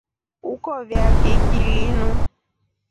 Ukovya kiki linu.